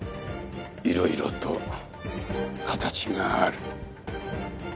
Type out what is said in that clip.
いろいろと形がある。